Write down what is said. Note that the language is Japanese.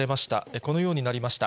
このようになりました。